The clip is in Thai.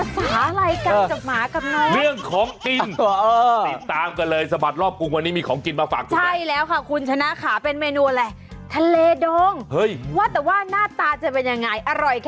สุดท้ายมันไม่กินนกมันไม่ชิบแรก